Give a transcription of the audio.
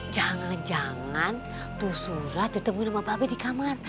jangan jangan tuh surat ditemuin sama babe di kamar